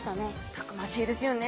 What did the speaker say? たくましいですよね。